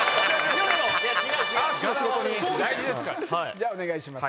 じゃあお願いします。